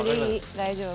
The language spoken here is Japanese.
大丈夫。